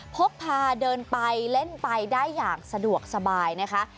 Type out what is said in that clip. พกพาเดินไปเล่นไปได้อย่างสะดวกสบายนะคะ